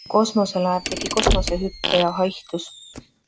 Kosmoselaev tegi kosmosehüppe ja haihtus.